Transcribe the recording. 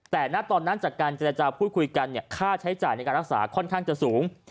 แต่จากนั้นอาจจะพูดคุยกันค่าใช้จ่ายในการรักษาค่อนข้างสูง